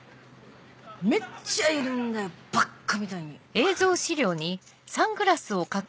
めっちゃいるんだよばっかみたいに。